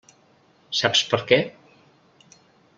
Saps per què?